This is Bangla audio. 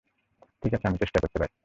ঠিক আছে, আমি চেষ্টা করতে পারি।